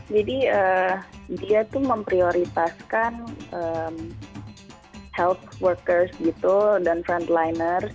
jadi dia tuh memprioritaskan health workers gitu dan frontliners